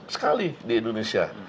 sekali di indonesia